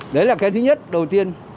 đấy là cái thứ nhất đầu tiên